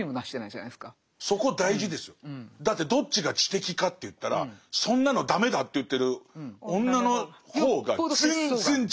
だってどっちが知的かっていったらそんなの駄目だって言ってるよっぽど節操がある。